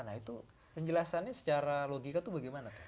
nah itu penjelasannya secara logika itu bagaimana